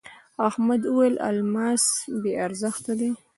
احمد وويل: الماس بې ارزښته دی.